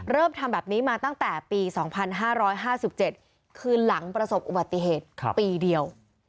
เริ่มทำแบบนี้มาตั้งแต่ปี๒๕๕๗คือหลังประสบอุบัติเหตุปีเดียว